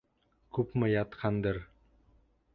Күпме ятҡандыр.